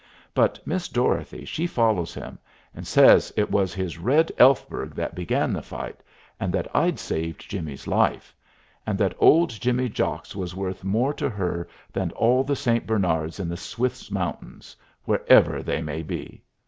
But Miss Dorothy she follows him, and says it was his Red Elfberg what began the fight, and that I'd saved Jimmy's life, and that old Jimmy Jocks was worth more to her than all the St. Bernards in the Swiss mountains wherever they may be.